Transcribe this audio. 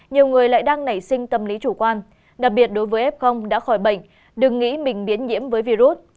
nhiều người lại đang nảy sinh tâm lý chủ quan đặc biệt đối với f đã khỏi bệnh đừng nghĩ mình biến nhiễm với virus